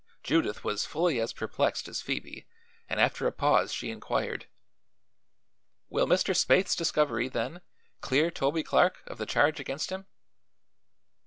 Judith was fully as perplexed as Phoebe and after a pause she inquired: "Will Mr. Spaythe's discovery, then, clear Toby Clark of the charge against him?"